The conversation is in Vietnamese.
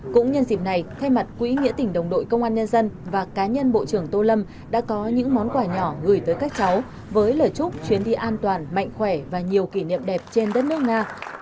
cũng nhân dịp này thay mặt quỹ nghĩa tỉnh đồng đội công an nhân dân và cá nhân bộ trưởng tô lâm đã có những món quà nhỏ gửi tới các cháu với lời chúc chuyến đi an toàn mạnh khỏe và nhiều kỷ niệm đẹp trên đất nước nga